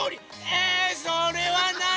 えそれはない！